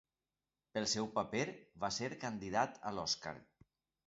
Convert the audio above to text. Pel seu paper va ser candidat a l'Oscar.